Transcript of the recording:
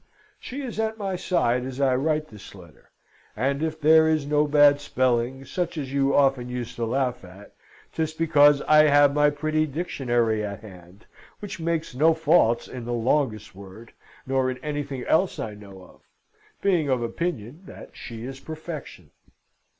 She is at my side as I write this letter, and if there is no bad spelling, such as you often used to laugh at, 'tis because I have my pretty dictionary at hand, which makes no faults in the longest word, nor in anything else I know of: being of opinion that she is perfection.